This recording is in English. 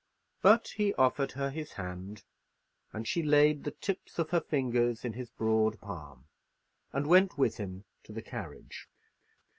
But he offered her his hand, and she laid the tips of her fingers in his broad palm, and went with him to the carriage.